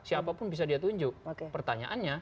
siapapun bisa dia tunjuk pertanyaannya